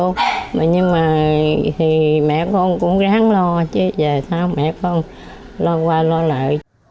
cũng có thể là rắc rãi hả cô nhưng mà thì mẹ con cũng ráng lo chứ giờ sao mẹ con lo qua lo lại